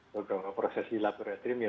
beberapa proses di laboratorium ya